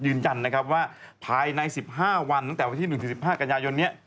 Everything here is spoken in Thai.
ยืนยันนะครับว่าภายใน๑๕วันตั้งแต่วันที่๑๑๕กันยายนนี้